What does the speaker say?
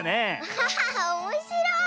アハハハおもしろい！